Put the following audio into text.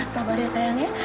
sabar ya sayang ya